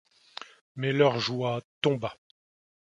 Mais leur joie tomba.